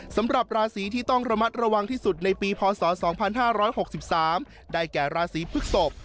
สำหรับราศีที่ต้องระมัดระวังที่สุดในปีพศ๒๕๖๓ได้แก่ราศีพฤกษก